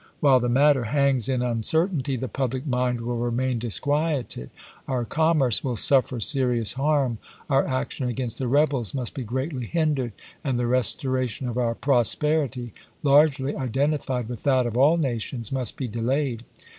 While the matter hangs in uncertainty the pub lic mind will remain disquieted, our commerce will suffer serious harm, our action against the rebels must be greatly hindered, and the restoration of our prosperity — largely identified with that of all nations — must be delayed.